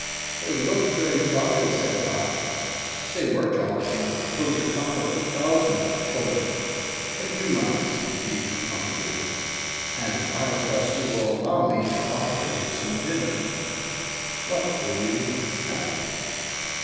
"They look very jolly," said Dot. "They were jolly, and proved a comfort to thousands of children. But you must be hungry, and I trust you will allow me to offer you some dinner. What will you have?"